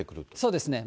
そうですね。